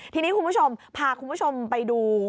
ทีนี้คุณผู้ชมพาคุณผู้ชมไปดู